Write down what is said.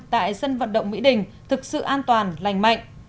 tại sân vận động mỹ đình thực sự an toàn lành mạnh